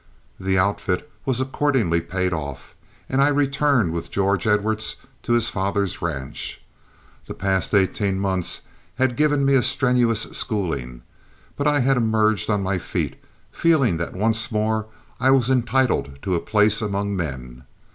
The outfit was accordingly paid off, and I returned with George Edwards to his father's ranch. The past eighteen months had given me a strenuous schooling, but I had emerged on my feet, feeling that once more I was entitled to a place among men.